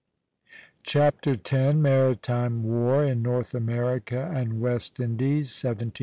CHAPTER X. MARITIME WAR IN NORTH AMERICA AND WEST INDIES, 1778 1781.